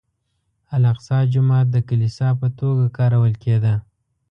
الاقصی جومات د کلیسا په توګه کارول کېده.